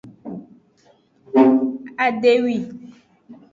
Adewi.